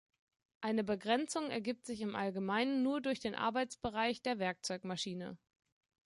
Eine Begrenzung ergibt sich im Allgemeinen nur durch den Arbeitsbereich der Werkzeugmaschine.